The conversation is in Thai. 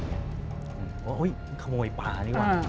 โอ๊ยโอ๊ยขโมยปานี่วะ